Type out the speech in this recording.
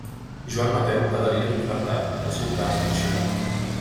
Joan Mateu quedaria en llibertat i el seu cas arxivat.